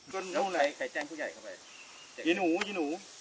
เจ๊หนูเจ๊หนู